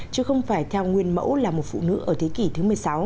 chứ không phải theo nguyên mẫu là một phụ nữ ở thế kỷ thứ một mươi sáu